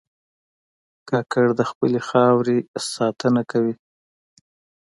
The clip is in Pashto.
کاکړ د خپلې خاورې ساتنه کوي.